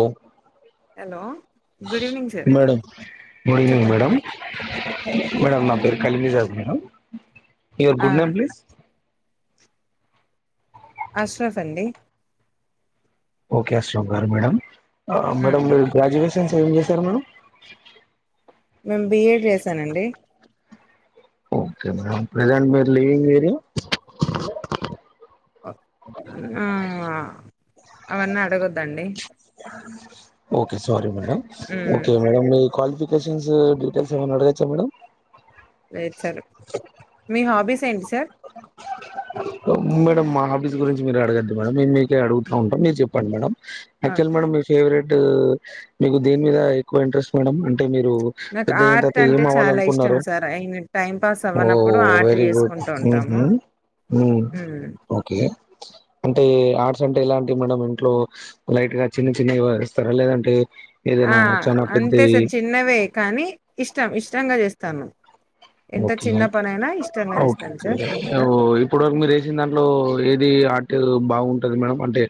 ఓ hello good evening sir madam good evening చెప్పండి madam madam నా పేరు కలివిజగ్ మేడం యువర్ ఆ గుడ్ నేమ్ ప్లీస్ అష్రఫ్ అండి ఓకే అష్రఫ్ గారు మేడం ఆ మేడం హ్మ్. మీరు గ్రాజువేషన్ చేసి ఏం చేశారు మేడం నేను బిఏడ్ చేసానండి ఓకే మేడం ప్రజెంట్ మీరు లివింగ్ ఏరియా హ్మ్ అవన్నీ అడగద్దండి ఓకే సారి మేడం మ్మ్ ఓకే మేడం మీ క్వాలిఫికేషన్స్ డీటెయిల్స్ ఏమైనా అడగచ్చా మేడమ్ లేదు సార్ మీ హాబీస్ ఏంటి సార్ మేడం మా హాబీస్ గురించి మీరు అడగద్దు మేడం మేం మీకే అడుగుతా ఉంటా మీరు చెప్పండి మేడం ఆ! ఆక్చువల్ మేడం మీ ఫేవరెట్ డూ మీకు దేని మీద ఎక్కువ ఇంట్రెస్ట్ మేడం మీరు నాకు పెద్దగైన ఆర్ట్ తర్వాత అంటే ఏం చాలా ఇష్టం అవ్వాలనుకున్నారు సార్ అయిన టైం పాస్ ఓ అవ్వనప్పుడు ఆర్ట్ చేసుకుంటూ ఉంటాము మ్మ్ హ్మ్. ఓకే అంటే ఆర్ట్స్ అంటే ఎలాంటివి మేడం ఇంట్లో లైట్ గా చిన్న చిన్నవి వేస్తారా లేదంటే ఆ ఏదైనా చానా అంతే పెద్దయి సార్ చిన్నవే కానీ ఇష్టం ఇష్ట ఇష్టంగా చేస్తాను ఎంత ఓకే చిన్న పనైనా ఇష్టంగా ఓ చేస్తాను కే సార్ ఓ ఇప్పుడు మీరు వేసిన దాంట్లో ఏది ఆర్ట్ ఆట్ బాగుంటది మేడం అంటే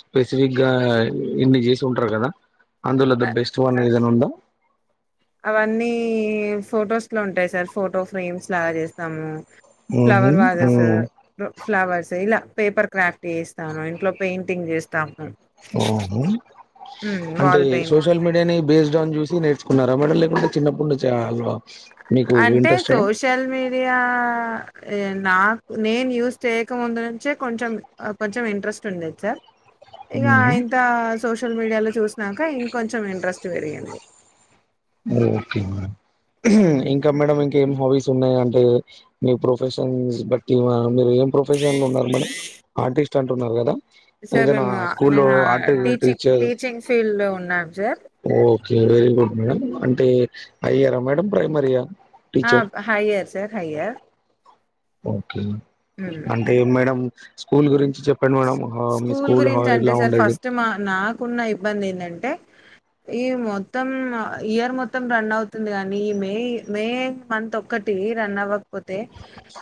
స్పెసిఫిక్ గా ఇన్ని చేసి ఉంటరు కదా అందులో ద అ బెస్ట్ వన్ ఏదైనా ఉందా అవన్నీ ఫొటోస్ లో ఉంటాయి సార్ ఫోటో ఫ్రేమ్స్ లాగా చేస్తాము ఉహు ఫ్లవర్ వాసస్ ఉమ్ ఫ్లవర్స్ ఇలా పేపర్ క్రాఫ్ట్ చేస్తాను ఇంట్లో పెయింటింగ్ చేస్తాము ఓహో హ్మ్. అంటే వాల్ పెయింట్ సోషల్ మీడియాని బేస్డ్ ఆన్ చూసి నేర్చుకున్నారా మేడం చిన్నప్పుడిన్చే అంటే సోషల్ మీడియా నాకు నేను యూస్ చేయకముందు నుంచే కొంచెం కొంచెం ఇంట్రెస్ట్ ఉండేది సార్ ఇగ అయింత సోషల్ మీడియాలో చూసినాక ఇంకొంచెం ఇంట్రెస్ట్ పెరిగింది ఓకే మ హ్మ్. ఇంకా మేడం ఇంకా ఏం హాబీస్ ఉన్నాయి అంటే మీ ప్రొఫెషన్స్ బట్టి మీరు ఏం ప్రొఫెషన్ ఉన్నారు మరి ఆర్టిస్ట్ అంటున్నరూ కదా సార్ ఏదైనా మేము స్కూల్లో నేను art teaching teacher teaching field లో ఉన్నాం sir okay very good madam అంటే అయ్యార మేడం ప్రైమరయా ఆ హైయర్ సార్ హైయర్ ఓ అంటే మేడం స్కూల్ గురించి చెప్ స్కూల్ గురించి అంటే సార్ ఫస్ట్ మా నాకున్న ఇబ్బంది ఎందంటే ఈ మొత్తం ఇయర్ మొత్తం రన్ అవుతుంది కాగానీ ఈ మే మే మంత్ ఒక్కటి రన్ అవ్వ పోతే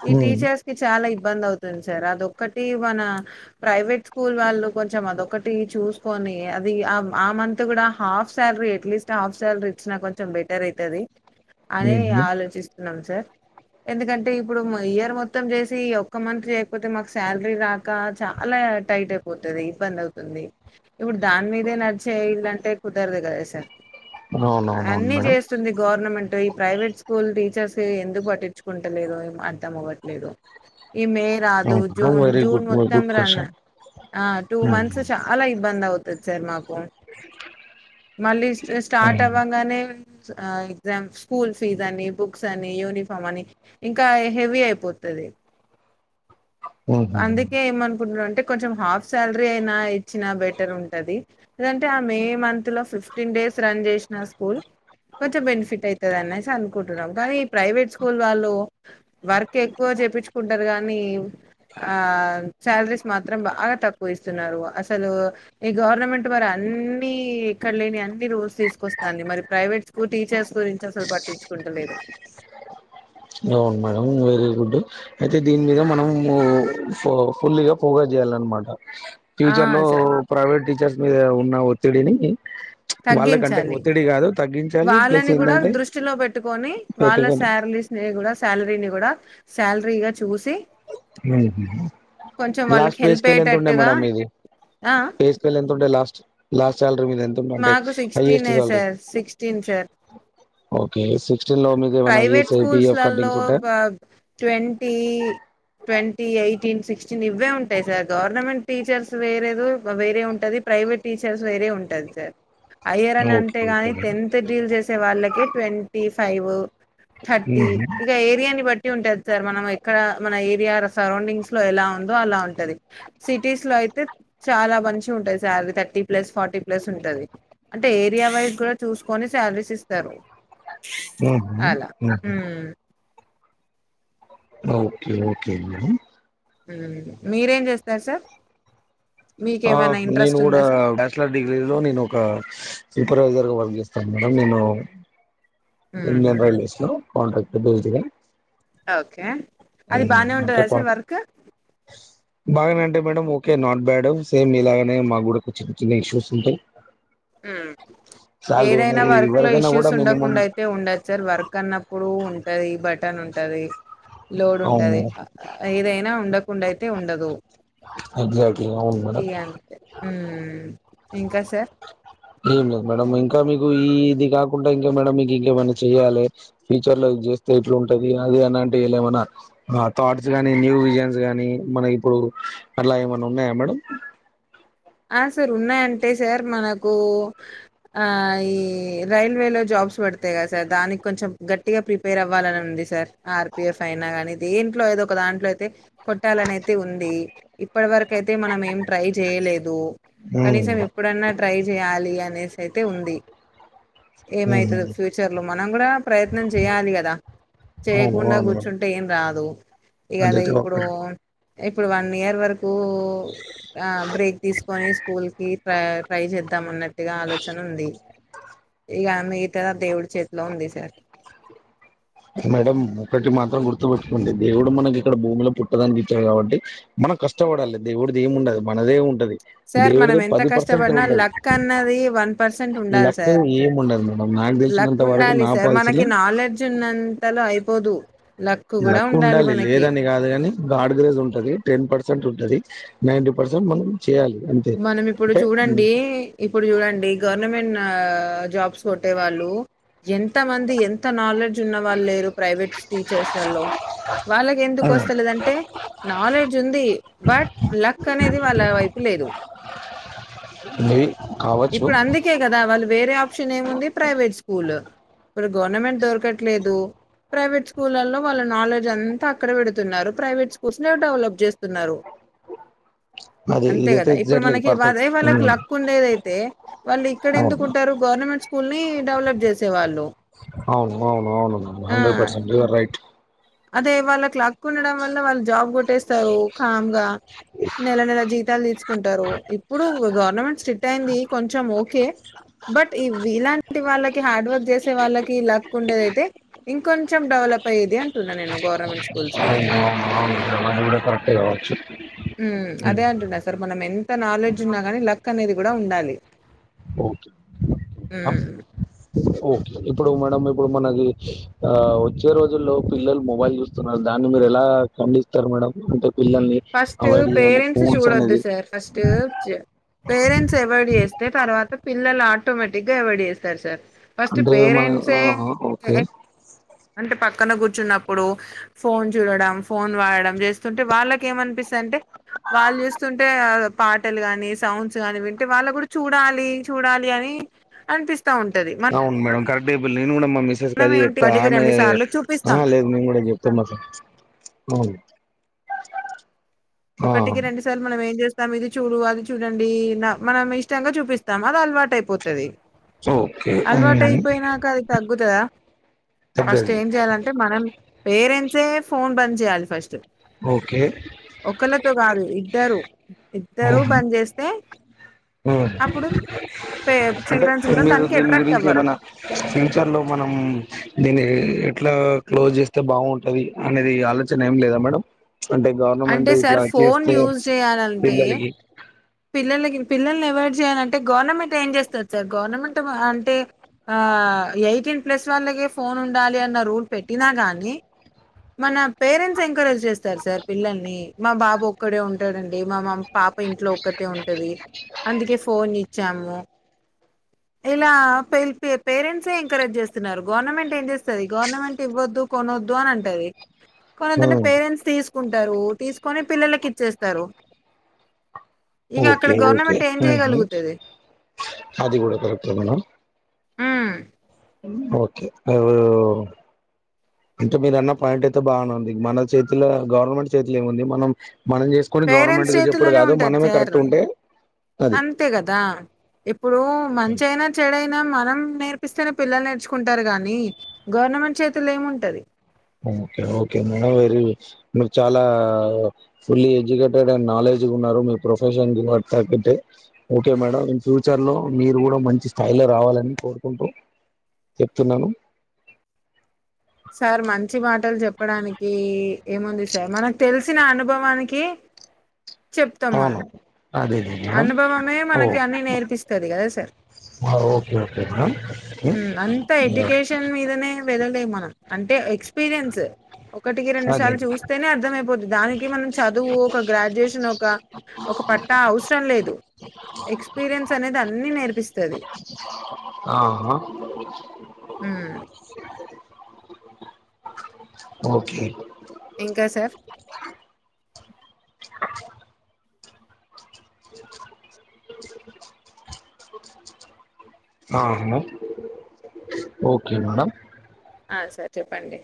ఈ మ్మ్. టీచర్స్ కి చాలా ఇ ఇబ్బంది అవుతుంది సార్ అదొక్కటి మన ప్రైవేట్ స్కూల్ వాళ్ళు కొంచెం అదొకటి చూసుకొని అది ఆ ఆ మంత్ కూడా half salary at least half salary ఇచ్చిన కొంచెం బెటర్ అయితది అని మ్మ్. ఆలోచిస్ న్నాం సార్ ఎందుకంటే ఇప్పుడు ఇయర్ మొత్తం చేసి ఒక్క మంత్ చేయకపోతే మాకు శాలరీ రాక చ అలా టైట్ అయిపోతది ఇబ్బంది అవుతుంది ఇప్పుడు దాని మీదే నడిచేయల టక్ కుదరదు కదా సార్ అవునవునవును అన్ని చేస్తుంది గవర్నమెంట్ ఈ ప్రైవేట్ స్కూల్ టి చర్స్ ఎందుకు పట్టించుకుంటలేదు అర్ధం అవ్వట్లేదు ఈ మే రాదు madam June very June good మొత్తం గుడ్ రన్ క్వశ్చన్ ఆ టూ మంత్స్ చాలా ఇబ్బంద అవు తత్ సర్ మా మళ్ళీ స్టార్ట్ అవ్వంగానే ఎగ్జామ్ స్కూల్ ఫీజ్ అని బుక్స్ అని యూనిఫామ్ అని ఇంకా హెవీ అయిపోతది అందుకేమన్ ంటే [unintelligible] కొంచె హాఫ్ సాలరీ అయినా ఇచ్చిన బెటర్ ఉంటుంది అదంటే ఆ మే మంత్ లో ఫిఫ్టీన్ డేస్ రన్ చేసిన స్కూల్ కొంచెం బెనిఫిట్ అవుతుద [unintelligible] అనేసి అనుకుంటున్నాం కానీ ఈ ప్రైవేట్ స్కూల్ వాళ్ళు వర్క్ ఎక్కువ చేపించుకుంటారు కానీ ఆ సాలరీస్ మాత్రం బాగా తక్కువ ఇస్తున్నారు అసలు ఈ గవర్నమెంట్ మరి అన్ని ఇక్కడ లేని అన్ని రూల్స్ తీసుకోస్తాంది మరి ప్రైవేట్స్ టీచర్స్ గురించి అసలు పట్టించుకుంటలేదు అవును మేడం వెరీ గుడ్ అయితే దీని మీద మనము ఫుల్గా ప్రోగ్రెస్ చేయాలన్నమాట ఆ ఫ్యూచర్ లో సార్ ప్రైవేట్ టీచర్స్ మీద నా ఒత్తిడిని వాళ్ళకంటే తగ్గించాలి ఒత్తిడి కాదు తగ్గించాలి ప్లస్ వాళ్ళని కూడా ఏంటంటే దృష్టిలో పెట్టుకొని వాళ్ళ పెట్టుకొని శారలీస్నే కూడా శాలరీని కూడా శాలరీ గా చూసి కొంచెం వాళ్ళకి లాస్ట్ పేస్ హెల్ప్ కేల ఎంత ఉంటయి అయ్యేటట్టుగా మేడం మీది ఆ స్కేల్ ఎంత ఉండ లాస్ట్ ల చాల్ మీద ఎంత ఉంటే మాకు హైయెస్ట్ సిక్స్టీనే సాలీ sir sixteen sir okay six private స్కూల్స్లలో ఉంటాయా ట్వంటీ ట్వంటీ ఎయిటీన్ సిక్స్టీన్ ఇవే ఉంటాయి సార్ గవర్నమెంట్ టీచర్స్ వేరే వేరే ఉంటుంది ప్రైవేట్ టీచర్స్ వేరే ఉంటుంది సార్ అయ్యర్ అన్ ఓకే అంటే ఓకే గాని టెన్త్ డీల్ చేసే వాళ్ళకే ట్వంటీ్ ఫైవ్ థర్టీ మేడం ఇక ఏరియాని బట్టి సిటీ ఉంటంది సార్ మనం ఎక్కడ మన ఏరియా సరౌండింగ్స్ లో ఎలా ఉందో అలా ఉంటుంది సిటీస్ లో అయితే చాలా మంచి ఉంటుంది salary thirty plus forty plus ఉంటుంది అంటే ఏరియా వైజ్ కూడా చూసుకొని శాలరీస్ ఇస్తారు ఏ అలా ఉమ్ ఓకే ఓకే మీరేం చేస్తారు సార్ ఆ మీకేమైనా నేను ఇంట్రెస్ట్ కూడా ఉందా సార్ బ్యాచలర్ డిగ్రీ లో నేను ఒక సూపర్వైజర్ గా వర్క్ చేస్తాను మేడం నేను హుహు. ఇన్నెందలుస్త కొ బజగా [inaudible] ఆ ఓకే అది బానే ఉంటందా సార్ వర్క్ బాగానే అంటే madam okay not bad same ఇలాగనే మాకు కూడా చిన్న చిన్న ఇష్యూస్ ఉంటాయి ఉమ్ శాలరీ ఏదైనా అనేది వర్క్ లో ఎవరికైనా కూడా ఇష్యూస్ మినిమం ఉండకుండా అయితే ఉండదు సార్ వర్క్ అన్నప్పుడు ఉండ ఉంటది బటన్ ఉంటది లోడ్ అవును ఉంటది మేడం ఏదైనా ఉండక కుండైతే ఉండదు ఎగ్జాక్ట్లీ అవును మేడం ఇగా అంతే ఉమ్ ఇంకా సార్ ఏం లేదు మేడం ఇంకా మీకు ఈ ఇది కాకుండా ఇంకా మేడం మీకు ఇంకేమైనా చెయాలి ఫ్యూచర్ లో ఇది చేస్తే ఇట్లా ఉంటది అది అలాంటి ఏమైనా థాట్స్ గాని న్యూ విజన్స్ కానీ మనకి ఇప్పుడు అలా ఏమన్నా ఉన్నాయా మేడం ఆ సార్ ఉన్నాయంటే సార్ మనకు ఆ ఈ రైల్వేలో జాబ్స్ పడితాయి కదా సార్ దానికి కొంచెం గట్టిగా ప్రిపేర్ అవ్వాలని ఉంది సార్ ఆర్పిఎఫ్ అయినా కానీ దేంట్లో ఎదో ఒక దాంట్లో అయితే కొట్టాలనియితే ఉంది ఇప్పటి వరకు అయితే మనం ఏం ట్రై చేయలేదు దో కనీసం అవును ఇప్పుడన్నా ట్రై చేయాలి అనేసైతే ఉంది ఏమైతది ఫ్యూచర్ లో మనం కూడా ప్రయత్నం చేయాలి కదా చేయకుండా అవును కూర్చుంటే ఏం రాదు ఇ గాదే అదైతే ఇప్పుడు ఒక ఇప్పుడు వన్ ఇయర్ వరకు ఆ బ్రేక్ కొన్ని స్కూల్ కి ట్రై చేద్దాం అన్నట్టు గా ఆలోచన ఉంది ఇ ఆమె ఇగా దేవుడి చేతిలో ఉంది సార్ మేడం ఒకటి మాత్రం గుర్తుపెట్టుకోండి దేవుడు మనకి ఇక్కడ భూమిలో పుట్టదనికిచ్చాడు కాబట్టి మనం కష్టపడాలి దేవుడిది ఏమి ఉండదు మనదే ఉంటది సార్ మనం దేవుడిది ఎంత పది పర్సెంట్ కష్టపడినా ఉంటది లక్ అన్నది వన్ పర్సెంట్ ఉండాలి లక్ సార్ ఏమి ఉండదు మేడం నాకు లక్ తెలిసినంత వరకు ఉండాలి నా సార్ మనకి పాలసీలో నాలెడ్జ్ ఉన్నంత అంతలో అయిపోదు లక్ కూడా లక్కు ఉండాలి మనకి లేదని కాదు కాని గార్డ్ గ్రేజ్ ఉంటది టెన్ పర్సెంట్ ఉంటది నైన్టీ పర్సెట్ మ మనం ఇప్పుడు చూడండి ఇప్పుడు చూడండి గవర్నమెంట్ ఆ జాబ్స్ కొట్టే వాళ్ళు ఎంత మంది ఎంత నాలెడ్జ్ ఉన్న వాళ్ళు లేరు ప్రైవేట్స్ టీచర్స్లో వాళ్ళకి ఎందుకు వస్తలేదంటే నాలెడ్జ్ ఉంది బట్ లక్ అనేది వాళ్ళ వైపు లేదు మేబి కావచ్చు ఇప్పుడు అందుకే కదా వాళ్ళు వేరే ఆప్షన్ ఏముంది ప్రైవేట్ స్కూల్ ఇప్పుడు గవర్నమెంట్ దొరకట్లేదు ప్రైవేట్ స్కూలల్లో వాళ్ళ నాలెడ్జ్ అంతా అక్కడ పెడుతున్నారు ప్రైవేట్ స్కూల్లో డెవలప్ చేస్తున్నారు అదే అంతే ఇదైతే కదా ఇప్పుడు ఎగ్జాక్ట్లీ మనకి పర్ఫెక్ట్ అదే వాళ్ళకి లక్ ఉండేది అయితే వాళ్ళు ఇక్కడ అవును ఎందుకుంటారు గవర్నమెంట్ స్కూల్ని డెవలప్ చేసేవాళ్ళు అవును అవును వును ఆ హండ్రెడ్ పర్సెంట్ అదే వాళ్ళక్ లక్ ఉండడం వల్ల వాళ్ళు జాబ్ కొట్టేస్తారు కామ్ గ నెల నెల జీతాలు తీసుకుంటారు ఇప్పుడు గవర్నమెంట్ స్ట్రిట్ అయింది కొంచెం ఒకే బట్ ఇలాంటి వాళ్ళకి హడ్ వర్క్ చేసే వాళ్ళకి లక్ ఉండేద అతే ఇంకొంచెం డెవలప్ అయ్యేది అంటున్న నేను గవర్నమెంట్ కూల్స్ అవును అవును అవును అది కూడా కరెక్టే కావచ్చు హమ్ అదే అంటున్న సర్ మనం ఎంత నాలెడ్జ్ ఉన్నా కూడ ఉండాలి ఒకే హ్మ్. ఓకే ఇప్పుడు మేడం ఇప్పుడు మనకి ఆ వచ్చే రోజుల్లో పిల్లలు మొబైల్ చూస్తున్నారు దాన్ని మీరు ఎలా ఖండిస్తారు మేడం అంటే పిల్లల్ని ఫస్ట్ అవాయిడ్ చేయాలి పేరెంట్స్ ఫోన్స్ చూడొద్దు అనేది సర్ ఫస్ట్ పేరెంట్స్ అవాయిడ్ చేస్తే తర్వాత పిల్లలు ఆటోమేటిక్గా ఎవాయిడ్ చేస్తరు సర్ ఫస్ట్ అంటే మన పేరెంట్సే ఆహా, ఓకే అంటే పక్క పక్కన కూర్చున్నప్పుడు ఫోన్ చూడడం ఫోన్ వాడడం చేస్తుంటే వాళ్ళకి ఏమనిపిస్తుంది అంటే వాళ్ళు చూస్తుంటే పాటలు కానీ సౌండ్స్ కాని వింటే వాళ్ళ కూడా చూడాలి చూడాలి అని అనిపిస్తు అవును మేడమ్ కర నేను కూడ మిసెస్ కి మనం అదే ఏంటి చెప్త ఒకటికి ఆమె రెండు సార్లు చూపిస్తాం ఆహా లేద నేను కూడ చెప్త అనమాట అవు ఒకటికి రెండు సార్లు మనం ఏం చెస్ త ఇది చూడు అది చూడండి మనం ఇష్టంగా చూపిస్తాము అది అలవాటు అయిపోతుంది ఓకే అలవాటు ఉమ్, అయిపోయినాక అది తగ్గుతద ఫస్ట్ తగ్గది ఏం చేయాలంటే మనం పేరెంట్స్ సే ఫోన్ బంద్ చేయాలి ఫస్ట్ ఓకే ఒకళ్ళతో కాదు ఇద్దరు ఇద్దరు ఉమ్, బని చేేస్తే అంటే చిల్డ్రన్స్ కూడా మీరు దానికి దీని అట్రాక్ట్ గురించి అవ్వరు. ఎమన్నా ఫ్యూచర్ లో మనం దీని అట్లా క్లోజ్ చేస్తే బాగుంటది అనేది ఆలోచన ఏం లేదా మేడం అంటే గవర్నమెంట్ అంటే ఇట్లా సార్ ఫోన్ చేస్తే యూజ్ చేయాలంటే పిల్లలకి పిల్లలకి పిల్లల్ని అవాయిడ్ చేయాలంటే గవర్నమెంట్ ఏం చేస్తుంది సార్ గవర్నమెంట్ అంటే ఎయిటీన్ ప్లస్ వాళ్ళకే ఫోన్ ఉండాలి అన్న రూల్ పెట్టినా కానీ మన పేరెంట్స్ ఎంకరేజ్ చేస్తారు సార్ పిల్లల్ని మా బాబు ఒక్కడే ఉంటాడండి మా మ పాప ఇంట్లో ఒక్కటే ఉంటుంది అందుకే ఫోన్ ఇచ్చాము ఇలా పేరెంట్సే ఎంకరేజ్ చేస్తున్నారు గవర్నమెంట్ ఏం చేస్తుంది గవర్నమెంట్ ఇవ్వద్దు కొనొద్దు అని అంటు టది కొనదు పేరెంట్స్ తీసుకుంటా ారు [unintelligible] తీసుకొని పిల్లలకి ఇచ్చేస్తారు ఇక అక్కడ ఓకే ఓకే గవర్నమెంట్ ఏం హ్మ్ హు చేయగలుగుతది అది కూడా కరెక్ట్ మేడం ఉమ్ ఓకే అ అంటే మీరు అన్న పాయింట్ అయితే బాగునేంది మన చేతిలో గవర్నమెంట్ చేతిలో ఏముంది మనం మనం చేసుకొని పేరెంట్స్ గవర్నమెంట్ చెప్పడు చేతిల్లోనే కాదు ఉంటది మనమే సార్ కరెక్ట్ ఉంటే అది అంతే కదా ఇప్పుడు మంచియినా చెడైనా మనం నేర్పిస్తేనే పిల్లలు నేర్చుకుంటారు గాని గవర్నమెంట్ చేతుల్లో ఏముంటది ఓకే ఓకే మేడం వెరీ మీరు చాలా ఫుల్లీ ఎడ్యుకేటెడ్ అండ్ నాలెడ్జ్ ఉన్నారు మీ ప్రొఫెషన్ [unintelligible] ఓకే మేడం ఇన్ ఫ్యూచర్లో మీరు కూడా మంచి స్థాయిలో రావాలని కోరుకుంటూ చెప్తున్నాను సార్ మంచి మాటలు చెప్పడానికి ఏముంది సార్ మనకు తెలిసిన అనుభవానికి చెప్తాం మనం అవును అదే అదే మేడం అనుభవమే ఓ మనకి అన్నీ నేర్పిస్తది కదా సార్ ఆ, ఓకే ఓకే మేడం ఉమ్, అంతా యా, ఎడ్యుకేషన్ మీదనే వెళ్లలేము మనం అంటే ఎక్స్పీరియన్స్ ఒకటికి రెండు అదే సార్లు చూస్తేనే అర్థమయిపోతుది దానికి మనం చదువు ఒక గ్రాడ్యుయేషన్ ఒక ఒక పట్టా అవసరం లేదు ఎక్స్పీరియన్స్ అనేది అన్ని నేర్పిస్తాది ఆహా ఓకే ఇంకా సార్ ఆ మ ఓకే మేడం ఆ సరే చెప్పండి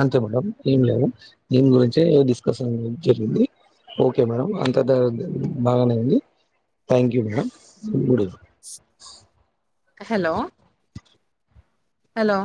అంతే మేడం ఏం లేదు దీని గురించే డిస్కషన్ జరిగింది ఓకే మేడం అంత బాగానే అంది thank you madam good hello hello